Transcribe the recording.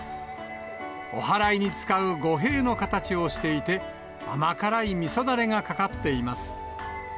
おはらいに使う御幣の形をしていて、甘辛いみそだれがかかっています。